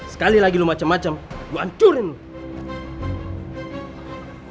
sekali lagi lo macem macem gue hancurin lo